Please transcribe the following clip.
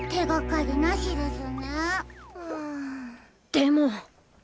でも！